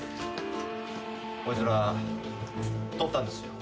こいつら取ったんですよ。